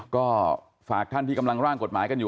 ก็ฝากท่านที่กำลังร่างกฎหมาย